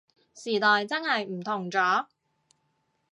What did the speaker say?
時代真係唔同咗